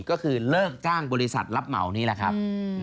ก็คือเลิกจ้างบริษัทรับเหมานี่แหละครับ